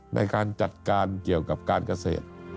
ในการจัดการเกี่ยวกับการเกษตร